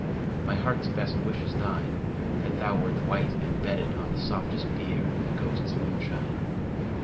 My heart's best wish is thine, — That thou wert white, and bedded On the softest bier. In the ghosts* moonshine.